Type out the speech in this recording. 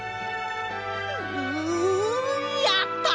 ううやった！